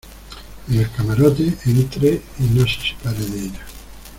en el camarote. entre y no se separe de ella .